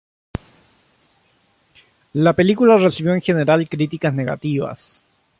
La película recibió en general críticas negativas.